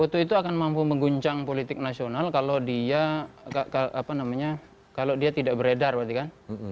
foto itu akan mampu mengguncang politik nasional kalau dia tidak beredar berarti kan